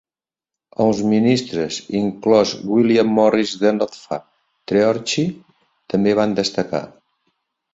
Els ministres, inclòs William Morris de Noddfa, Treorchy, també van destacar.